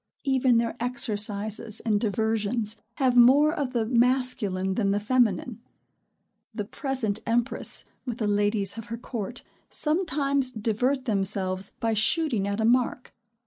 Even their exercises and diversions have more of the masculine than the feminine. The present empress, with the ladies of her court, sometimes divert themselves by shooting at a mark.